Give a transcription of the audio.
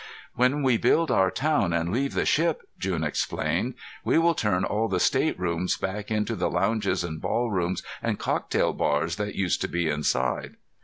"When we build our town and leave the ship," June explained, "we will turn all the staterooms back into the lounges and ballrooms and cocktail bars that used to be inside."